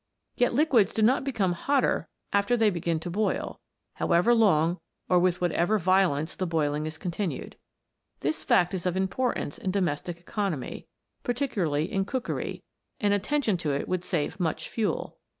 Yet liquids do not become hotter after they begin to boil, however long or with whatever violence the boiling is continued. This fact is of importance in domestic economy, particu larly in cookery, and attention to it would save much fuel.